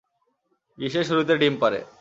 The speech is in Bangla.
গ্রীষ্মের শুরুতে ডিম পাড়ে।